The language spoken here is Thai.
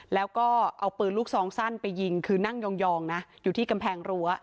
แล้วก็เอาปืนลูกซองสั้นไปยิงคือนั่งยองนะอยู่ที่กำแพงรั้ว